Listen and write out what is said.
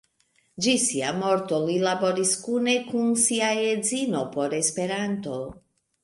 Ĝis sia morto li laboris kune kun sia edzino por Esperanto.